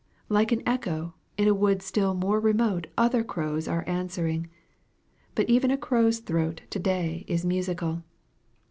Like an echo, in a wood still more remote other crows are answering. But even a crow's throat to day is musical.